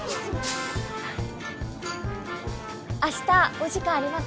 「明日お時間あります？」。